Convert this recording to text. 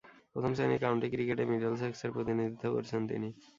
প্রথম-শ্রেণীর কাউন্টি ক্রিকেটে মিডলসেক্সের প্রতিনিধিত্ব করছেন তিনি।